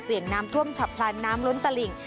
เสี่ยงน้ำท่วมฉับพลานน้ำล้นตลิ่ง